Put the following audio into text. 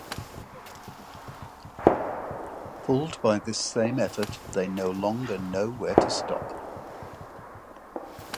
Pulled by this same effort, they no longer know where to stop.